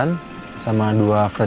gue gak lapar kok